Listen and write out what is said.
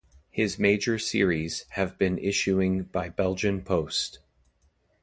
His major series have been issuing by Belgian Post.